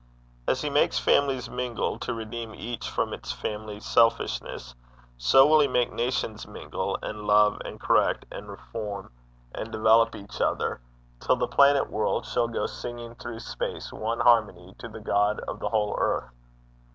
As he makes families mingle, to redeem each from its family selfishness, so will he make nations mingle, and love and correct and reform and develop each other, till the planet world shall go singing through space one harmony to the God of the whole earth.